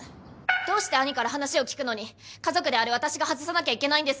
どうして義兄から話を聞くのに家族である私が外さなきゃいけないんですか？